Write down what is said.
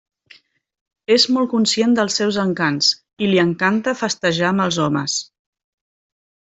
És molt conscient dels seus encants i li encanta festejar amb els homes.